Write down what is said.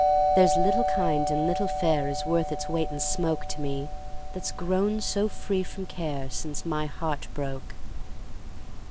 There's little kind and little fair Is worth its weight in smoke To me, that's grown so free from care Since my heart broke!